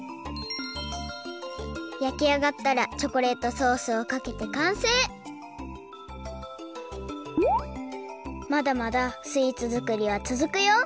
焼きあがったらチョコレートソースをかけてかんせいまだまだスイーツ作りはつづくよ！